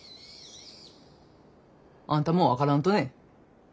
あんたも分からんとね？